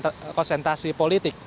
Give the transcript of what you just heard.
dalam rangka konsentrasi politik